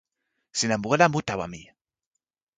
sina mu ala mu tawa mi?